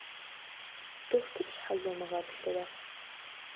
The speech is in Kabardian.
Дохутыр щхьэ зомыгъэплърэ?